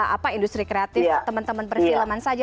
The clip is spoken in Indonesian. apa industri kreatif teman teman perfilman saja